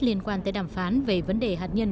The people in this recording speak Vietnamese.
liên quan tới đàm phán về vấn đề hạt nhân